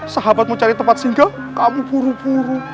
sahabat mau cari tempat singgah kamu buru buru